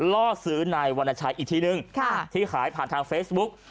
ล่อซื้อนายวรรณชัยอีกทีนึงที่ขายผ่านทางเฟซบุ๊ก